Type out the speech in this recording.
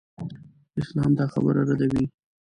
اسلام دا خبره ردوي.